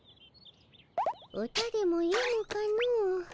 歌でもよむかの。